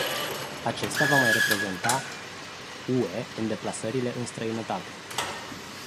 Acesta va mai reprezenta u e în deplasările în străinătate.